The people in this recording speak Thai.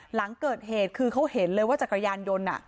หลังเกิดเหตุคือเขาเห็นเลยว่าจักรยานยนต์